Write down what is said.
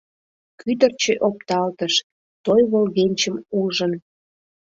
Кӱдырчӧ опталтыш, Той волгенчым ужын.